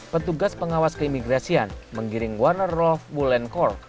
pertugas pengawas keimigrasian menggiring warner rolf bullenkor